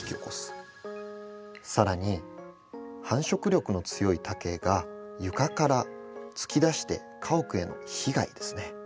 更に繁殖力の強い竹が床から突き出して家屋への被害ですね。